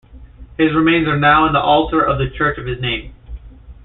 His remains are now in the altar of the church of his name.